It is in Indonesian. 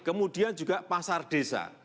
kemudian juga pasar desa